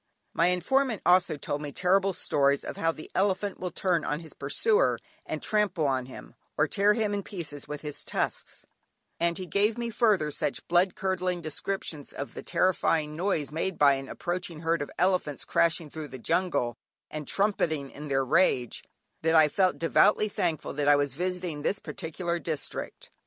My informant also told me terrible stories of how the elephant will turn on his pursuer and trample on him, or tear him in pieces with his tusks, and he gave me further such blood curdling descriptions of the terrifying noise made by an approaching herd of elephants crashing through the jungle, and trumpeting in their rage, that I felt devoutly thankful that I was visiting this particular district.